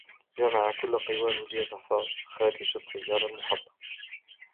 جمع كل قواه ليزحف خارج السيارة المحطمة.